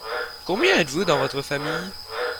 Combien êtes-vous dans votre famille ?